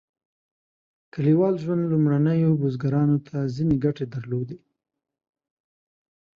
کلیوال ژوند لومړنیو بزګرانو ته ځینې ګټې درلودې.